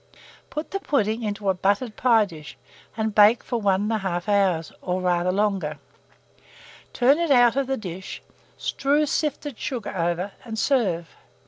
Put the pudding into a buttered pie dish, and bake for 1 1/2 hour, or rather longer. Turn it out of the dish, strew sifted sugar over, and serve.